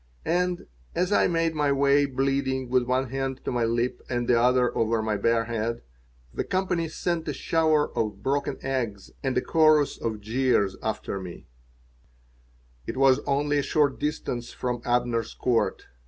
And, as I made my way, bleeding, with one hand to my lip and the other over my bare head, the company sent a shower of broken eggs and a chorus of jeers after me It was only a short distance from Abner's Court.